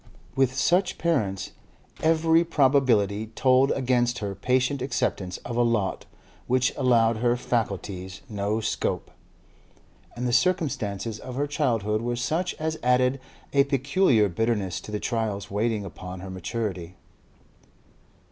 With such parents, every probability told against her patient acceptance of a lot which allowed her faculties no scope. And the circumstances of her childhood were such as added a peculiar bitterness to the trials waiting upon her maturity.